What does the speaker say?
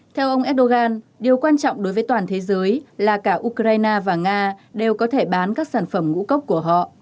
theo ông erdogan điều quan trọng đối với toàn thế giới là cả ukraine và nga đều có thể bán các sản phẩm ngũ cốc của họ